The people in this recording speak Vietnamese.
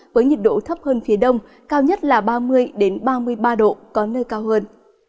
với nhiệt độ thấp hơn phía đông cao nhất là ba mươi ba mươi ba độ có nơi cao hơn